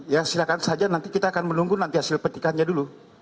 ya silahkan saja nanti kita akan menunggu nanti hasil petikannya dulu